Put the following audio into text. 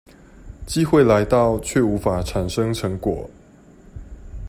機會來到卻無法產生成果